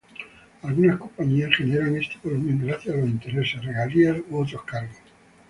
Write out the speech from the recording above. Algunas compañías generan este volumen gracias a los intereses, regalías u otros cargos.